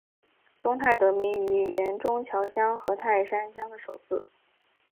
中泰得名于原中桥乡与泰山乡的首字。